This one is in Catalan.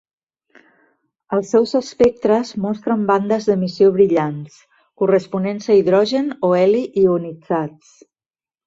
Els seus espectres mostren bandes d'emissió brillants, corresponents a hidrogen o heli ionitzats.